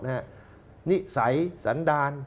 นี่สายสันดาน